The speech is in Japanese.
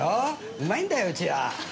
うまいんだようちは。